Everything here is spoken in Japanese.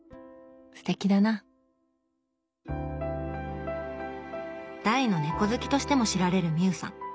すてきだな大の猫好きとしても知られる美雨さん。